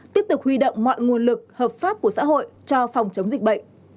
tiếp tục huy động mọi nguồn lực hợp pháp của xã hội cho phòng chống dịch bệnh